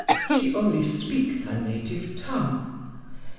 She only speaks her native tongue."